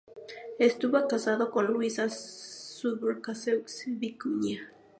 Estuvo casado con Luisa Subercaseaux Vicuña.